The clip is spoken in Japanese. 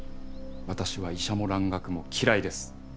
私は医者も蘭学も嫌いです！